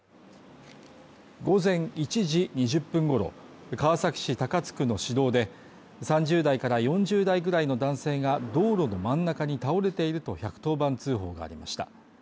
午前１時２０分ごろ川崎市高津区の市道で、３０代から４０代ぐらいの男性が道路の真ん中に倒れていると１１０番通報がありました。